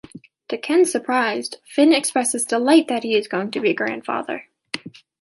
To Ken's surprise, Fin expresses delight that he is going to be a grandfather.